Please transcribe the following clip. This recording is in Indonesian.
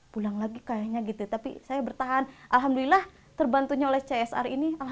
pulang lagi kayaknya gitu tapi saya bertahan alhamdulillah terbantunya oleh csr ini